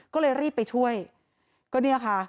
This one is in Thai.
ก็เลยรีบไปช่วยก็เนี่ยค่ะ